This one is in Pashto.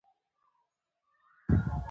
د مصرف کونکو حقوق خوندي دي؟